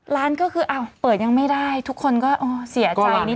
ร้านก็คือเปิดยังไม่ได้ทุกคนก็เสียใจนิดหนึ่ง